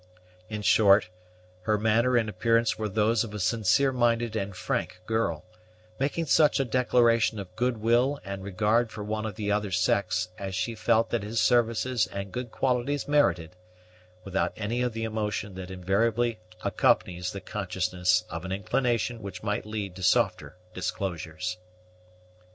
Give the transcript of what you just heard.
In short, her manner and appearance were those of a sincere minded and frank girl, making such a declaration of good will and regard for one of the other sex as she felt that his services and good qualities merited, without any of the emotion that invariably accompanies the consciousness of an inclination which might lead to softer disclosures.